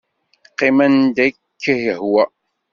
Qqim anda i k-yehwa.